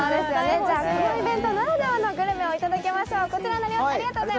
じゃあ、このイベントならではのグルメをいただきましょう。